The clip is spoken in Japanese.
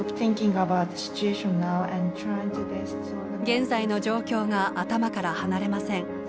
「現在の状況が頭から離れません。